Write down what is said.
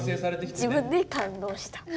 自分で感動した。